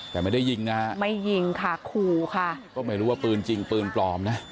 แต่ไม่ได้ยิงนะฮะไม่ยิงค่ะขู่ค่ะก็ไม่รู้ว่าปืนจริงปืนปลอมนะ